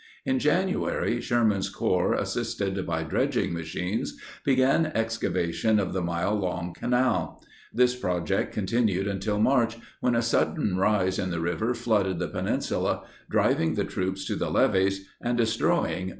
In January, Sherman's Corps, assisted by dredging machines, began excavation of the mile long canal. This project continued until March when a sudden rise in the river flooded the peninsula, driving the troops to the levees, and destroying much of their work.